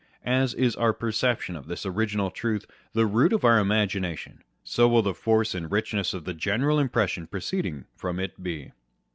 As is our perception of this original truth, the root of our imagination, so will the force and richness of the general impression proceeding from it be.